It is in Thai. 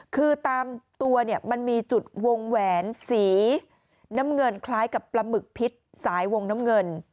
คือตามตัวเนี่ยมันมีจุดวงแหวนสีน้ำเงินคล้ายกับปลาหมึกพิษสายวงน้ำเงิน